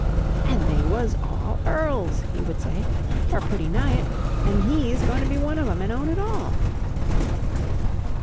"And they was all earls!" he would say, "er pretty nigh it! An' HE'S goin' to be one of 'em, an' own it all!"